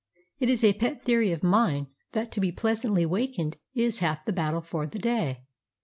It is a pet theory of mine that to be pleasantly wakened is half the battle for the day.